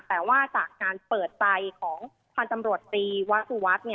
แต่ว่าจากการเปิดใจของพันธ์ตำรวจตีวะสุวัสดิ์